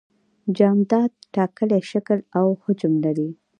جامدات ټاکلی شکل او حجم لري.